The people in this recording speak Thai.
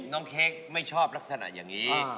เค้กไม่ชอบลักษณะอย่างนี้